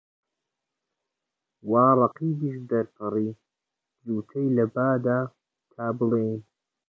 وا ڕەقیبیش دەرپەڕی، جووتەی لە با دا، تا بڵێن